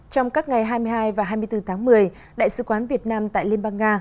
trong các ngày hai mươi hai và hai mươi bốn tháng một mươi đại sứ quán việt nam tại liên bang nga